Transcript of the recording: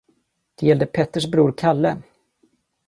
Det gällde Petters bror Kalle.